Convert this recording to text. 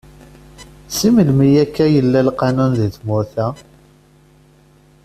Si melmi yella akka lqanun di tmurt-a?